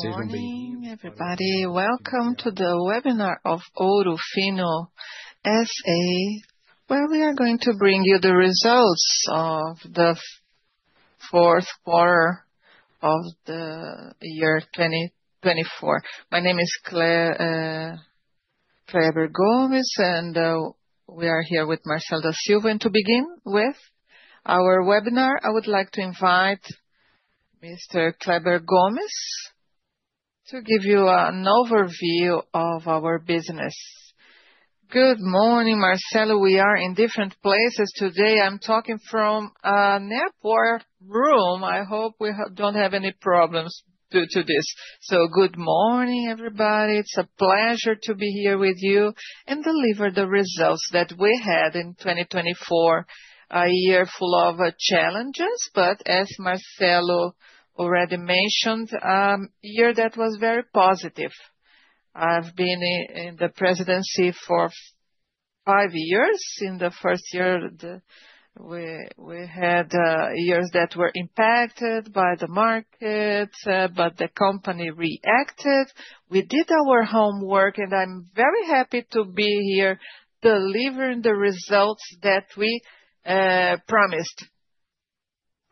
Good morning, everybody. Welcome to the webinar of Ouro Fino S.A., where we are going to bring you the results of the fourth quarter of the year 2024. My name is Kleber Gomes, and we are here with Marcelo Silva. To begin with our webinar, I would like to invite Mr. Kleber Gomes to give you an overview of our business. Good morning, Marcelo. We are in different places today. I'm talking from a network room. I hope we don't have any problems due to this. Good morning, everybody. It's a pleasure to be here with you and deliver the results that we had in 2024, a year full of challenges, but as Marcelo already mentioned, a year that was very positive. I've been in the presidency for five years. In the first year, we had years that were impacted by the market, but the company reacted. We did our homework, I'm very happy to be here delivering the results that we promised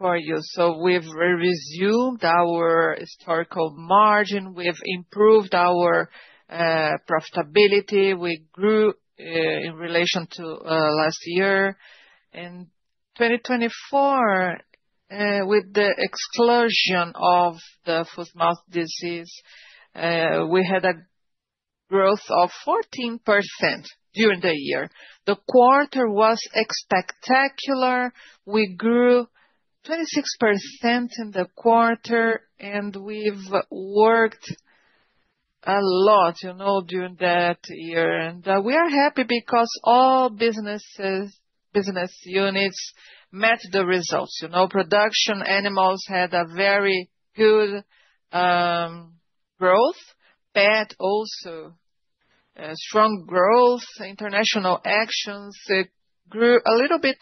for you. We've resumed our historical margin. We have improved our profitability. We grew in relation to last year. In 2024, with the exclusion of the foot-and-mouth disease, we had a growth of 14% during the year. The quarter was spectacular. We grew 26% in the quarter, we've worked a lot during that year. We are happy because all business units met the results. Production animals had a very good growth. Pet also, strong growth. International actions, it grew a little bit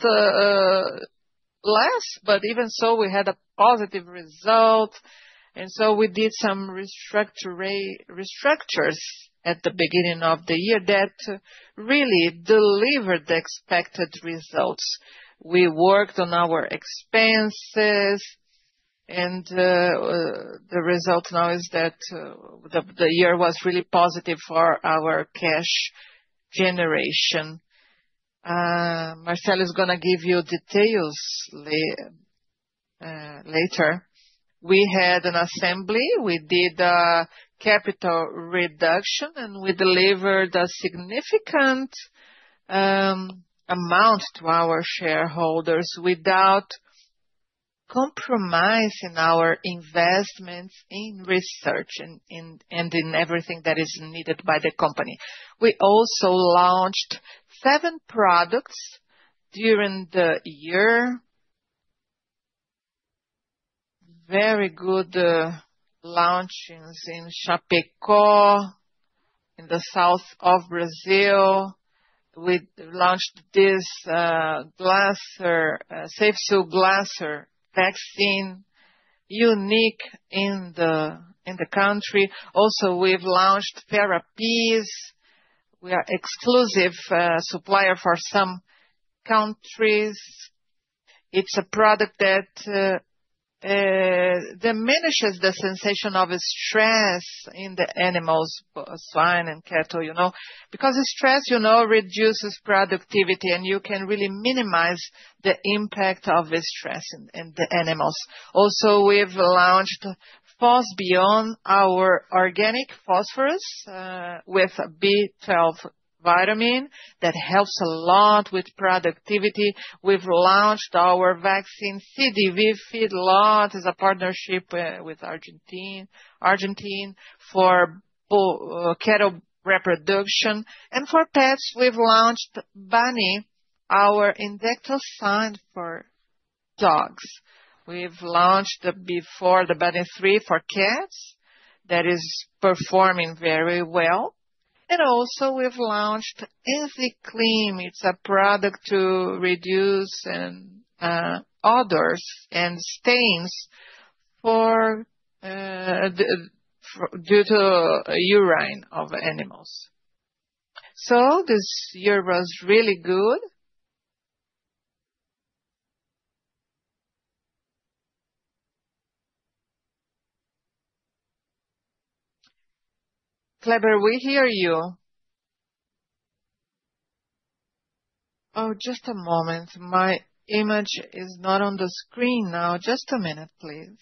less, even so, we had a positive result. We did some restructures at the beginning of the year that really delivered the expected results. We worked on our expenses, the result now is that the year was really positive for our cash generation. Marcelo is going to give you details later. We had an assembly, we did a capital reduction, we delivered a significant amount to our shareholders without compromising our investments in research and in everything that is needed by the company. We also launched seven products during the year. Very good launchings in Chapecó in the south of Brazil. We launched this Safesui Glasser One vaccine, unique in the country. We've launched FerAppease. We are exclusive supplier for some countries. It's a product that diminishes the sensation of stress in the animals, swine and cattle. Stress reduces productivity, you can really minimize the impact of the stress in the animals. We've launched FosBion B12, our organic phosphorus, with B12 vitamin that helps a lot with productivity. We've launched our vaccine, CDV Feedlot Plus as a partnership with Biogénesis Bagó for cattle reproduction. For pets, we've launched Banni, our injectable solution for dogs. We've launched before the Banni 3 for cats. That is performing very well. We've launched Enziclim. It's a product to reduce odors and stains due to urine of animals. This year was really good. Kleber, we hear you. Just a moment. My image is not on the screen now. Just a minute, please.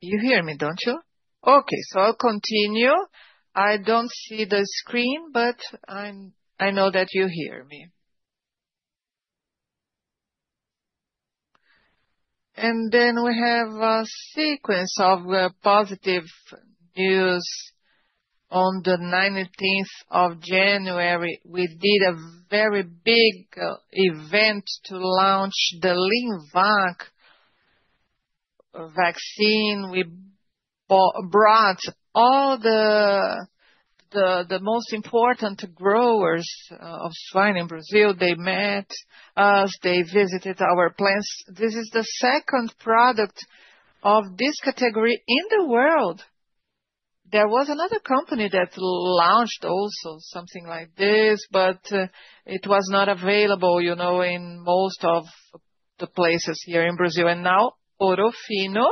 You hear me, don't you? I'll continue. I don't see the screen, I know that you hear me. We have a sequence of positive news. On the 19th of January, we did a very big event to launch the LeanVac vaccine. We brought all the most important growers of swine in Brazil. They met us, they visited our plants. This is the second product of this category in the world. There was another company that launched also something like this, but it was not available in most of the places here in Brazil. Now Ouro Fino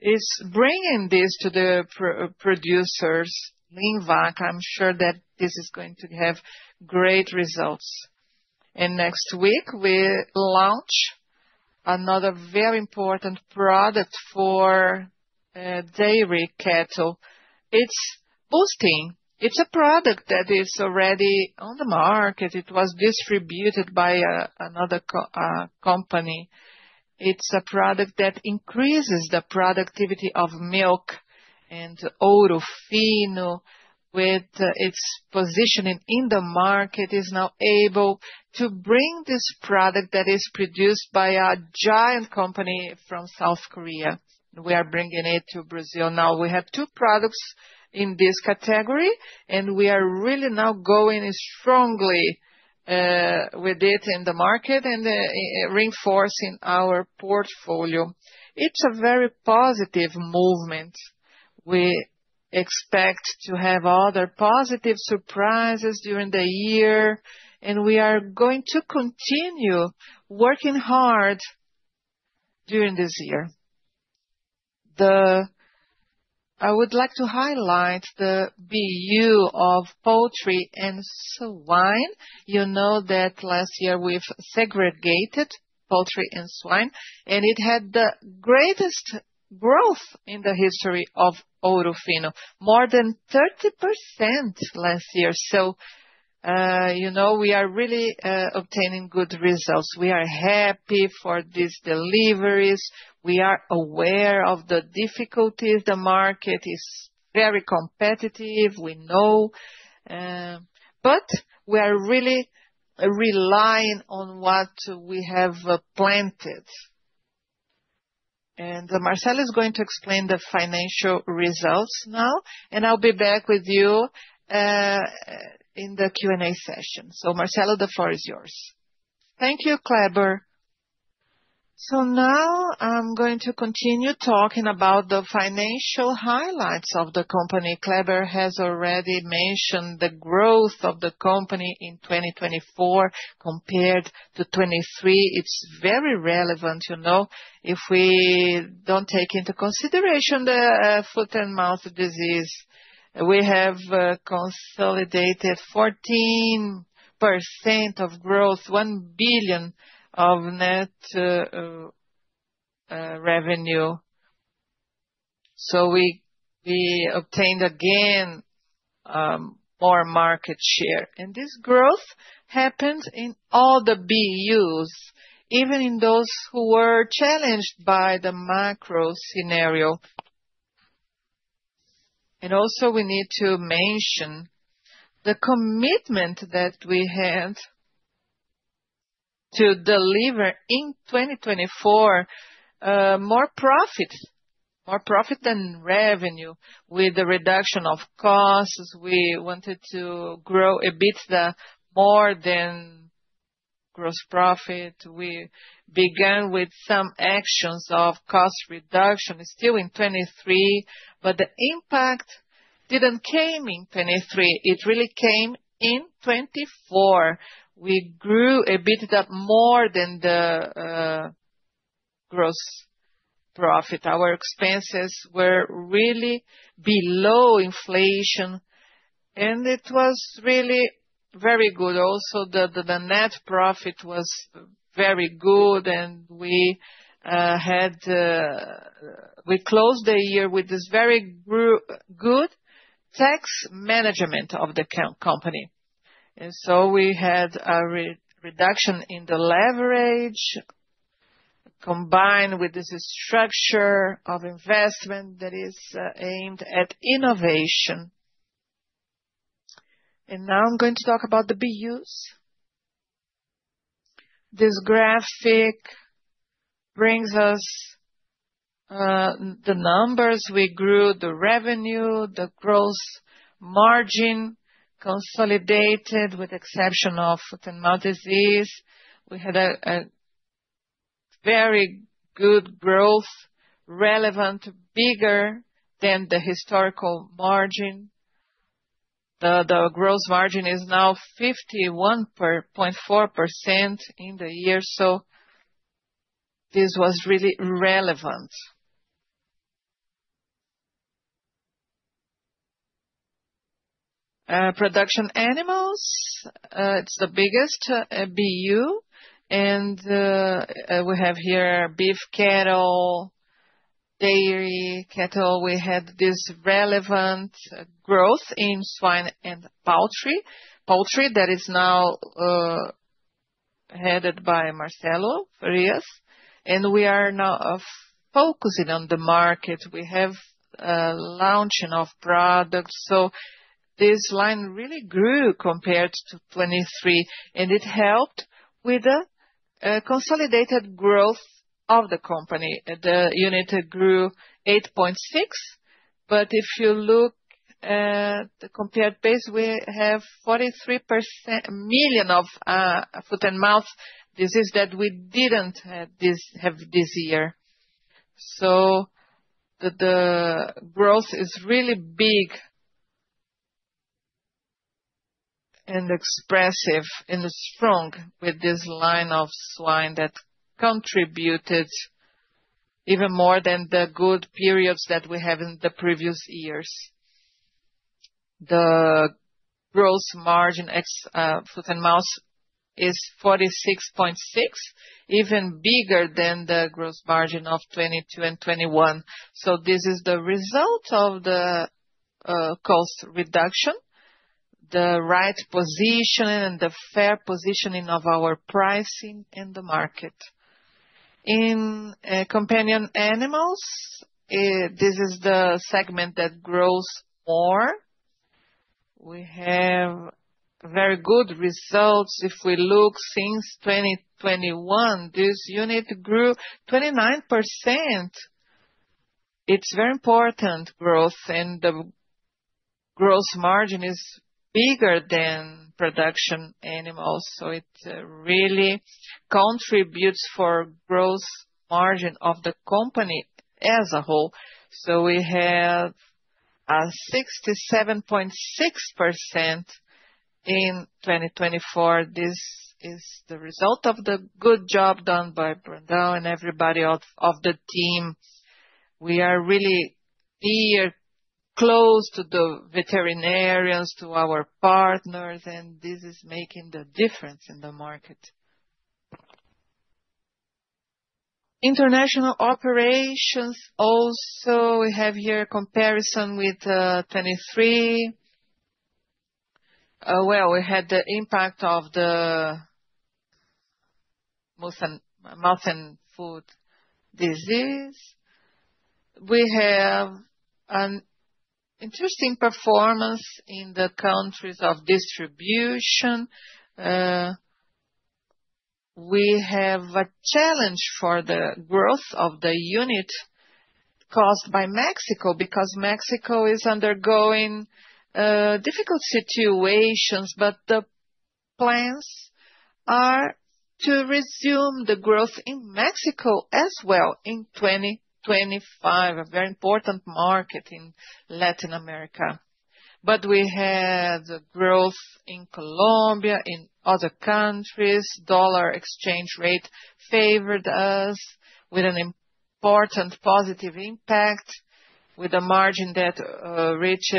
is bringing this to the producers. Invac, I'm sure that this is going to have great results. Next week we launch another very important product for dairy cattle. It's boosting. It's a product that is already on the market. It was distributed by another company. It's a product that increases the productivity of milk, and Ouro Fino, with its positioning in the market, is now able to bring this product that is produced by a giant company from South Korea. We are bringing it to Brazil now. We have two products in this category, and we are really now going strongly with it in the market and reinforcing our portfolio. It's a very positive movement. We expect to have other positive surprises during the year, we are going to continue working hard during this year. I would like to highlight the BU of poultry and swine. You know that last year we've segregated poultry and swine, and it had the greatest growth in the history of Ouro Fino. More than 30% last year. We are really obtaining good results. We are happy for these deliveries. We are aware of the difficulties. The market is very competitive, we know. We are really relying on what we have planted. Marcelo is going to explain the financial results now, and I'll be back with you in the Q&A session. Marcelo, the floor is yours. Thank you, Cleber. Now I'm going to continue talking about the financial highlights of the company. Cleber has already mentioned the growth of the company in 2024 compared to 2023. It's very relevant. If we don't take into consideration the foot-and-mouth disease, we have consolidated 14% of growth, 1 billion of net revenue. We obtained again more market share. This growth happens in all the BUs, even in those who were challenged by the macro scenario. Also we need to mention the commitment that we had to deliver in 2024 more profit than revenue with the reduction of costs. We wanted to grow EBITDA more than gross profit. We began with some actions of cost reduction still in 2023, the impact didn't come in 2023. It really came in 2024. We grew EBITDA more than the gross profit. Our expenses were really below inflation, and it was really very good. Also, the net profit was very good. We closed the year with this very good tax management of the company. We had a reduction in the leverage combined with this structure of investment that is aimed at innovation. Now I'm going to talk about the BUs. This graphic brings us the numbers. We grew the revenue, the gross margin consolidated, with exception of foot-and-mouth disease. We had a very good growth, relevant, bigger than the historical margin. The gross margin is now 51.4% in the year, this was really relevant. Production animals, it's the biggest BU, and we have here beef cattle, dairy cattle. We had this relevant growth in swine and poultry. Poultry that is now headed by Marcelo Faria, we are now focusing on the market. We have launching of products. This line really grew compared to 2023, it helped with the consolidated growth of the company. The unit grew 8.6%, if you look at the compared base, we have 43 million of foot-and-mouth disease that we didn't have this year. The growth is really big and expressive and strong with this line of swine that contributed even more than the good periods that we have in the previous years. The gross margin ex foot-and-mouth disease is 46.6%, even bigger than the gross margin of 2022 and 2021. This is the result of the cost reduction, the right position, and the fair positioning of our pricing in the market. In Companion Animals, this is the segment that grows more. We have very good results. If we look since 2021, this unit grew 29%. It's very important growth, and the gross margin is bigger than production animals, it really contributes for gross margin of the company as a whole. We have a 67.6% in 2024. This is the result of the good job done by Brandao and everybody of the team. We are really close to the veterinarians, to our partners, and this is making the difference in the market. International operations also, we have here comparison with 2023, where we had the impact of the foot-and-mouth disease. We have an interesting performance in the countries of distribution. We have a challenge for the growth of the unit caused by Mexico because Mexico is undergoing difficult situations, the plans are to resume the growth in Mexico as well in 2025, a very important market in Latin America. We had growth in Colombia, in other countries. Dollar exchange rate favored us with an important positive impact with a margin that reached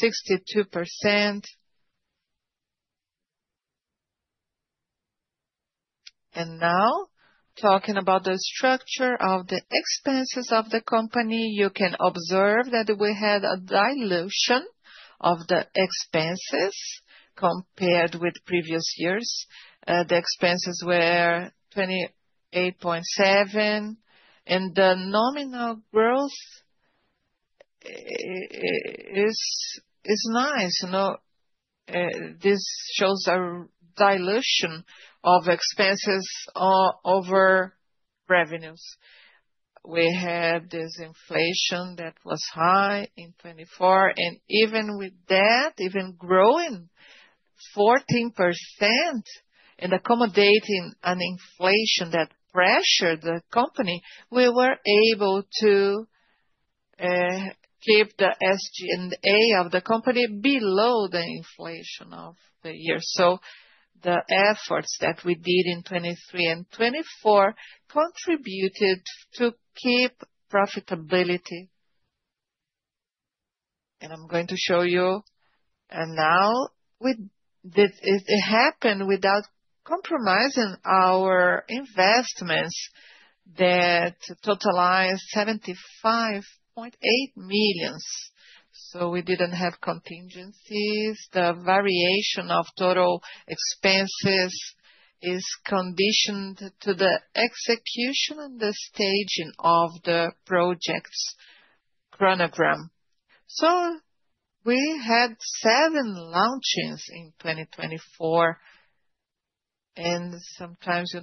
62%. Now talking about the structure of the expenses of the company. You can observe that we had a dilution of the expenses compared with previous years. The expenses were 28.7%, and the nominal growth is nice. This shows a dilution of expenses over revenues. We had this inflation that was high in 2024, and even with that, even growing 14% and accommodating an inflation that pressured the company, we were able to keep the SG&A of the company below the inflation of the year. The efforts that we did in 2023 and 2024 contributed to keep profitability. I'm going to show you. Now it happened without compromising our investments that totalize 75.8 million. We didn't have contingencies. The variation of total expenses is conditioned to the execution and the staging of the project's chronogram. We had seven launchings in 2024, and sometimes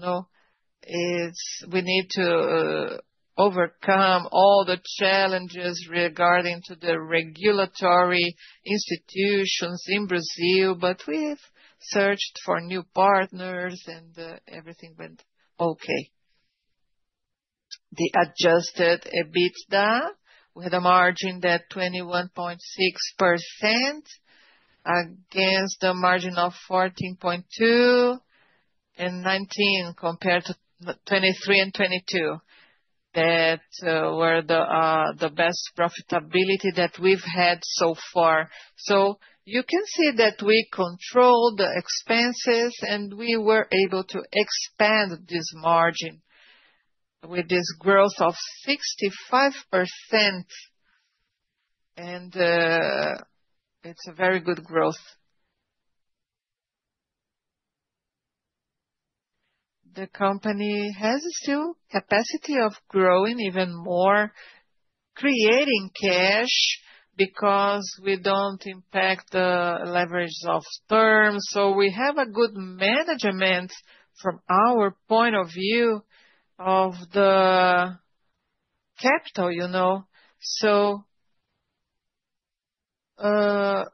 we need to overcome all the challenges regarding to the regulatory institutions in Brazil, we've searched for new partners and everything went okay. The adjusted EBITDA, we had a margin at 21.6% against a margin of 14.2% in 2019 compared to 2023 and 2022. That were the best profitability that we've had so far. You can see that we controlled the expenses, and we were able to expand this margin with this growth of 65%, and it's a very good growth. The company has still capacity of growing even more Creating cash because we don't impact the leverage of terms. We have a good management from our point of view of the capital.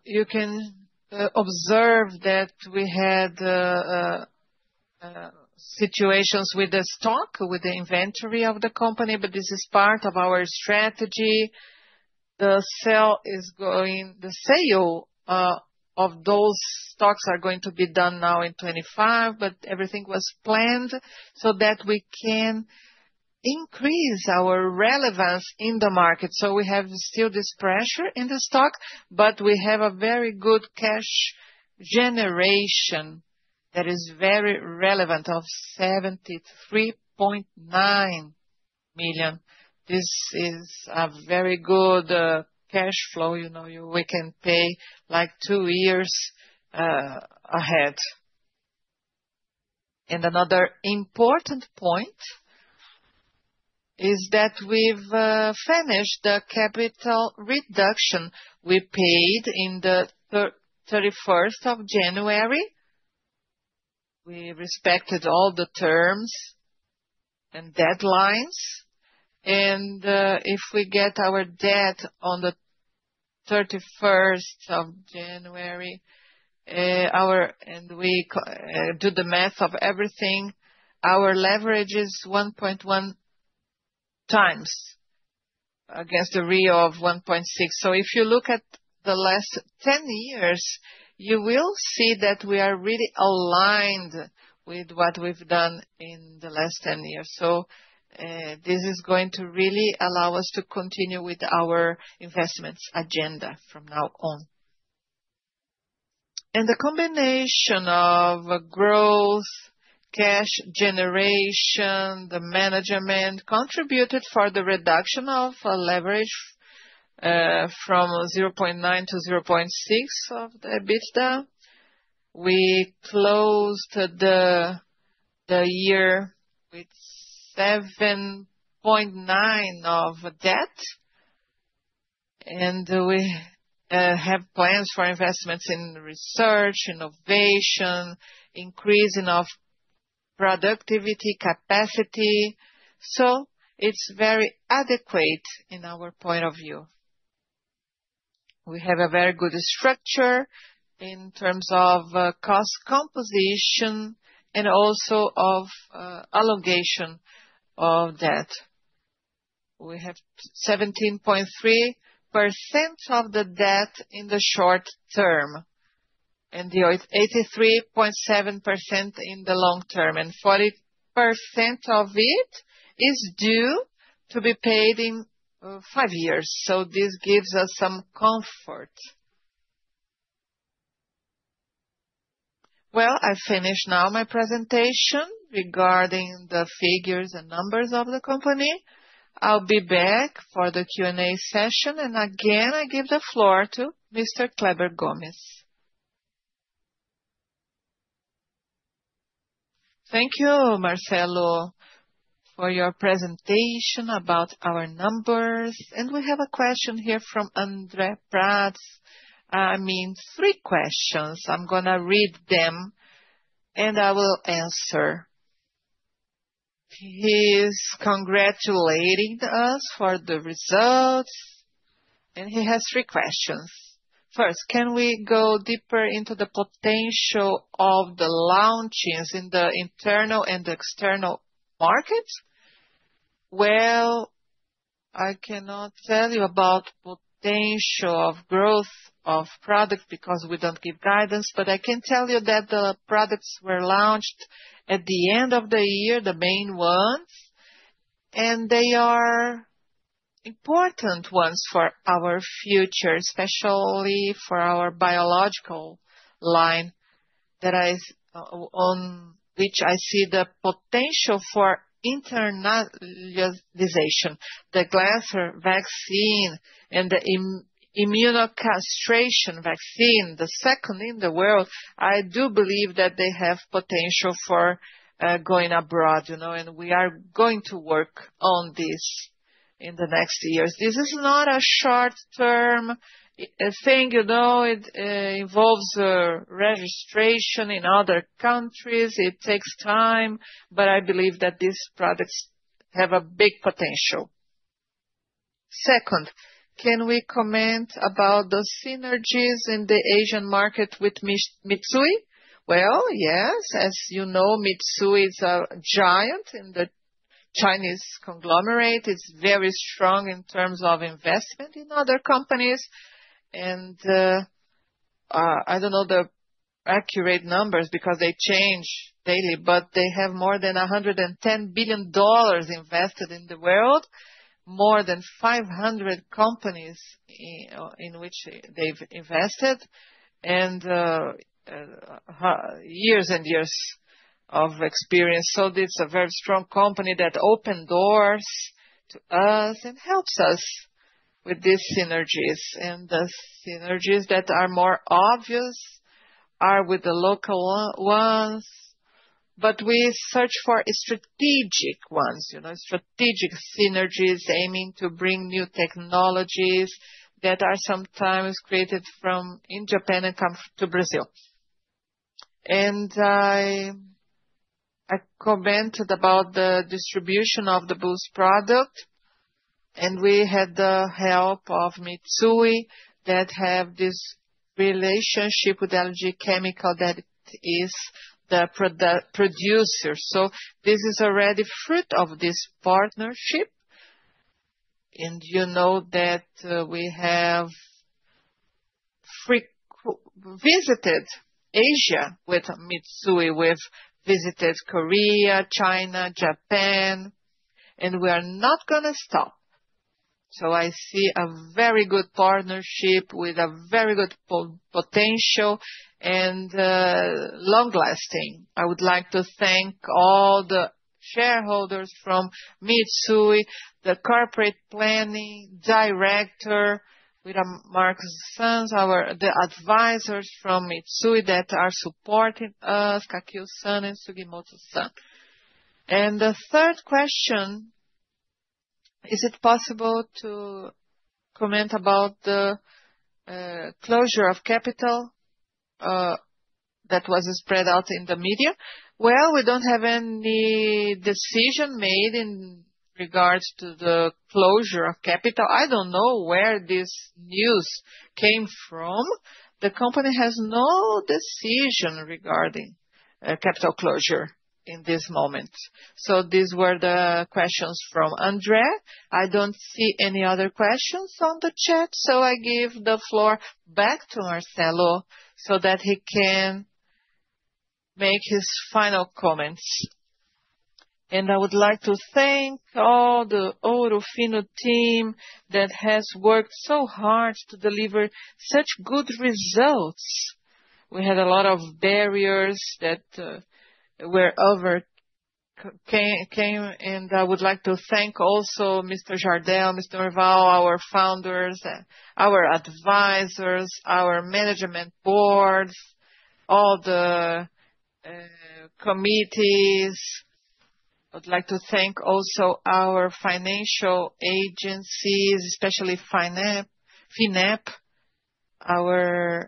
You can observe that we had situations with the stock, with the inventory of the company, this is part of our strategy. The sale of those stocks are going to be done now in 2025, but everything was planned so that we can increase our relevance in the market. We have still this pressure in the stock, but we have a very good cash generation that is very relevant of 73.9 million. This is a very good cash flow. We can pay two years ahead. Another important point is that we've finished the capital reduction. We paid in the 31st of January. We respected all the terms and deadlines. If we get our debt on the 31st of January and we do the math of everything, our leverage is 1.1 times against the ratio of 1.6. If you look at the last 10 years, you will see that we are really aligned with what we've done in the last 10 years. This is going to really allow us to continue with our investments agenda from now on. The combination of growth, cash generation, the management contributed for the reduction of leverage, from 0.9 to 0.6 of the EBITDA. We closed the year with 7.9 of debt and we have plans for investments in research, innovation, increasing of productivity capacity. It's very adequate in our point of view. We have a very good structure in terms of cost composition and also of allocation of debt. We have 17.3% of the debt in the short term and 83.7% in the long term, and 40% of it is due to be paid in five years. This gives us some comfort. Well, I finish now my presentation regarding the figures and numbers of the company. I'll be back for the Q&A session. Again, I give the floor to Mr. Kleber Gomes. Thank you, Marcelo, for your presentation about our numbers. We have a question here from André Pratt. Three questions. I'm going to read them and I will answer. He is congratulating us for the results and he has three questions. First, can we go deeper into the potential of the launches in the internal and external markets? Well, I cannot tell you about potential of growth of products because we don't give guidance, but I can tell you that the products were launched at the end of the year, the main ones, and they are important ones for our future, especially for our biological line on which I see the potential for internationalization. The Glässer vaccine and the immunocastration vaccine, the second in the world, I do believe that they have potential for going abroad and we are going to work on this in the next years. This is not a short-term thing. It involves registration in other countries. It takes time, but I believe that these products have a big potential. Second, can we comment about the synergies in the Asian market with Mitsui? Well, yes. As you know, Mitsui is a giant in the Chinese conglomerate. It's very strong in terms of investment in other companies. I don't know the accurate numbers because they change daily, but they have more than $110 billion invested in the world, more than 500 companies in which they've invested and years and years of experience. It's a very strong company that opened doors to us and helps us with these synergies. The synergies that are more obvious are with the local ones, but we search for strategic ones. Strategic synergies aiming to bring new technologies that are sometimes created from in Japan and come to Brazil. I commented about the distribution of the boost product, and we had the help of Mitsui that have this relationship with LG Chem that is the producer. This is already fruit of this partnership. You know that we have visited Asia with Mitsui. We've visited Korea, China, Japan, and we are not going to stop. I see a very good partnership with a very good potential and long-lasting. I would like to thank all the shareholders from Mitsui, the Corporate Planning Director with Marcus Sons, the advisors from Mitsui that are supporting us, Kakio Son and Sugimoto Son. The third question, is it possible to comment about the closure of capital that was spread out in the media? Well, we don't have any decision made in regards to the closure of capital. I don't know where this news came from. The company has no decision regarding capital closure in this moment. These were the questions from André. I don't see any other questions on the chat, so I give the floor back to Marcelo so that he can make his final comments. I would like to thank all the Ouro Fino team that has worked so hard to deliver such good results. We had a lot of barriers that were overcame, and I would like to thank also Mr. Jardel, Mr. Rival, our founders, our advisors, our management boards, all the committees. I would like to thank also our financial agencies, especially FINEP, our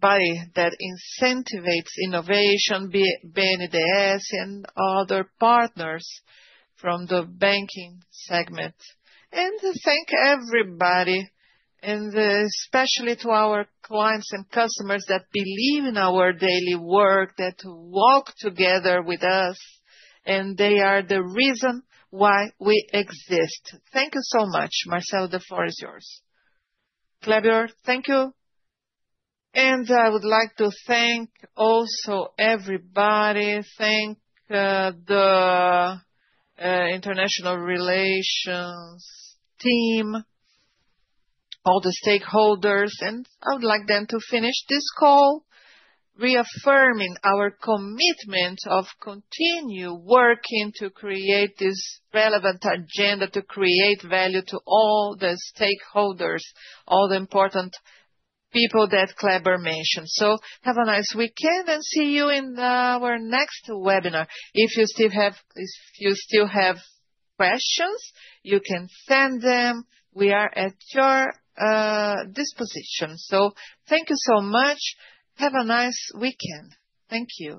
body that incentivizes innovation, BNDES, and other partners from the banking segment. To thank everybody and especially to our clients and customers that believe in our daily work, that walk together with us, and they are the reason why we exist. Thank you so much. Marcelo, the floor is yours. Kleber, thank you. I would like to thank also everybody, thank the international relations team, all the stakeholders, and I would like then to finish this call reaffirming our commitment of continue working to create this relevant agenda, to create value to all the stakeholders, all the important people that Kleber mentioned. Have a nice weekend and see you in our next webinar. If you still have questions, you can send them. We are at your disposition. Thank you so much. Have a nice weekend. Thank you.